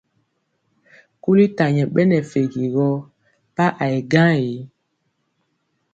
Kuli ta nyɛ ɓɛ nɛ fegi gɔ pa a yɛ gaŋ ee.